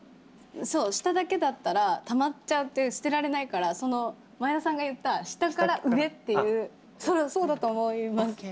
そう下だけだったらたまっちゃって捨てられないからその前田さんが言った下から上っていうそうだと思います。